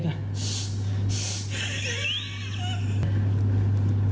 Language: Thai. ทำงี้ด้วยก่อน